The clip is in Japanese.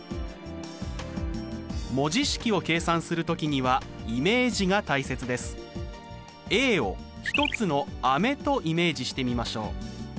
文字式を計算する時にはイメージが大切です。を１つの飴とイメージしてみましょう。